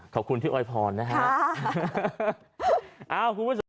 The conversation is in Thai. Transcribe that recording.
ขอบคุณที่อวยพรนะครับค่ะอ้าวคุณผู้ชม